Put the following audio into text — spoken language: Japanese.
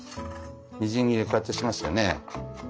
みじん切りこうやってしますよね。